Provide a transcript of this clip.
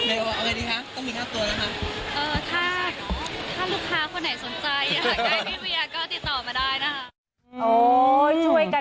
เอาไงดีคะต้องมี๕ตัวละค่ะ